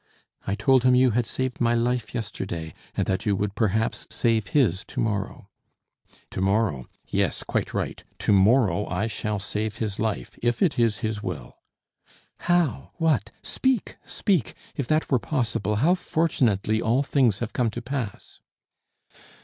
"I told him you had saved my life yesterday, and that you would perhaps save his to morrow." "To morrow! Yes, quite right; to morrow I shall save his life, if it is his will." "How? What? Speak! Speak! If that were possible, how fortunately all things have come to pass!"